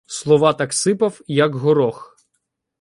Слова так сипав, як горох.